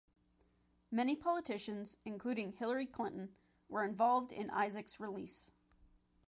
Many politicians, including Hillary Clinton, were involved in Isaac's release.